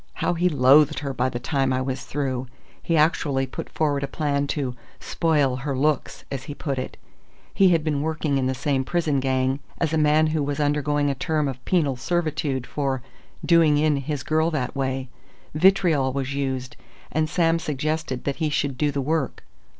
How he loathed her by the time I was through ... he actually put forward a plan to 'spoil her looks,' as he put it. He had been working in the same prison gang as a man who was undergoing a term of penal servitude for 'doing in' his girl that way ... vitriol was used, and Sam suggested that he should do the work....